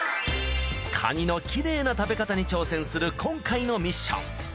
カニのキレイな食べ方に挑戦する今回のミッション。